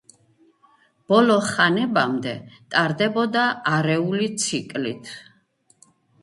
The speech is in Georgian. ბოლო ხანებამდე ტარდებოდა არეული ციკლით.